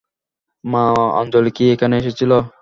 মা আঞ্জলি কি এখানে এসেছিল?